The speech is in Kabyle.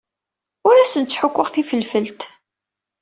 Ur asen-ttḥukkuɣ tifelfelt.